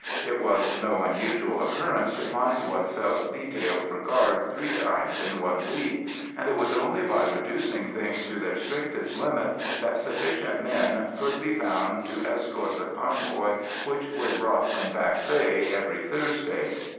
It was no unusual occurrence to find oneself detailed for guard three times in one week, and it was only by reducing things to their strictest limit that sufficient men could be found to escort the convoy which was brought from Bac Lé every Thursday.